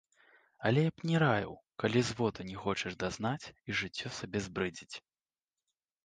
Але я б не раіў, калі зводу не хочаш дазнаць і жыццё сабе збрыдзіць.